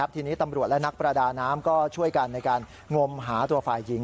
ทีนี้ตำรวจและนักประดาน้ำก็ช่วยกันในการงมหาตัวฝ่ายหญิง